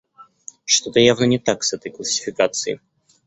Что-то явно не так с этой классификацией.